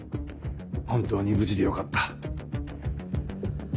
本当に無事でよかった。